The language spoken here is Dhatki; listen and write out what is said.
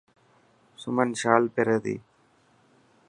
سمن شال پيري تي.